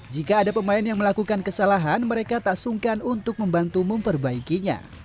jika ada pemain yang melakukan kesalahan mereka tak sungkan untuk membantu memperbaikinya